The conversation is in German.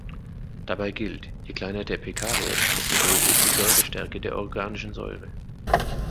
Dabei gilt: je kleiner der pK-Wert, desto größer ist die Säurestärke der organischen Säure.